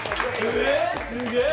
すげえ。